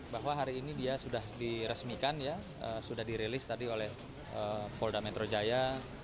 bahwa hari ini dia sudah diresmikan ya sudah dirilis tadi oleh polda metro jaya